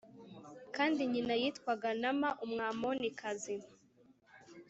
kandi nyina yitwaga Nāma Umwamonikazi